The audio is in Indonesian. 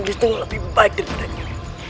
dia semua lebih baik daripadanya